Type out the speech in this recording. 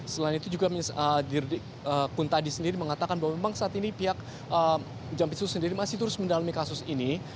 selain itu juga dirdik kuntadi sendiri mengatakan bahwa memang saat ini pihak jampitsus sendiri masih terus mendalami kasus ini